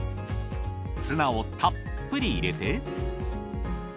ツナをたっぷり入れて。